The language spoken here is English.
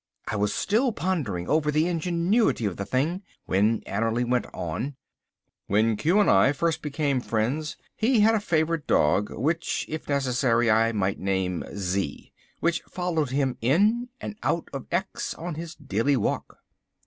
I was still pondering over the ingenuity of the thing when Annerly went on: "When Q and I first became friends, he had a favourite dog, which, if necessary, I might name Z, and which followed him in and out of X on his daily walk."